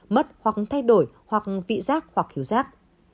mất hoặc thay đổi hoặc vị giác hoặc hiểu giác